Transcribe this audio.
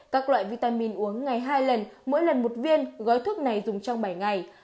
các loại vitamin uống ngày hai lần mỗi lần một viên gói thuốc này dùng trong bảy ngày